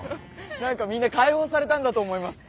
何かみんな解放されたんだと思います。